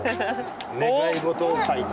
願い事を書いて。